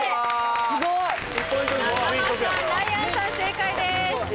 すごい中間さんライアンさん正解です